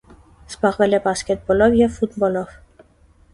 Զբաղվել է բասկետբոլով և ֆուտբոլով։